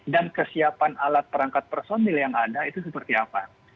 dan kesiapan alat perangkat personil yang ada itu seperti apa